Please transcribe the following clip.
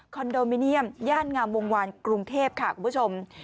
โดมิเนียมย่านงามวงวานกรุงเทพค่ะคุณผู้ชม